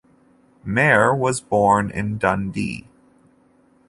Mair was born in Dundee.